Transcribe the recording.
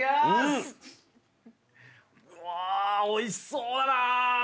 うわおいしそうだな。